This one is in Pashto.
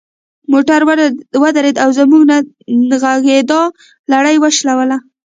موټر ودرید او زموږ د نه غږیدا لړۍ یې وشلوله.